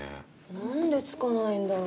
何でつかないんだろう？